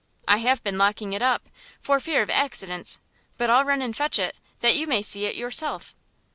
I have been locking it up, for fear of accidents, but I'll run and fetch it, that you may see it yourself."